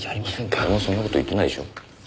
誰もそんな事言ってないでしょ。